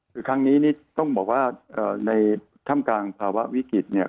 คือครั้งนี้ต้องบอกว่าในท่ำกลางภาวะวิกฤติ